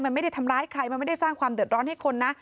มันไม่ได้ทำร้ายใครมันไม่ได้สร้างความเดือดร้อนให้คนนะ